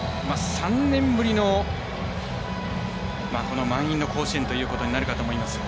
３年ぶりのこの満員の甲子園ということになるかと思います。